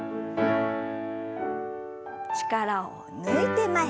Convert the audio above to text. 力を抜いて前。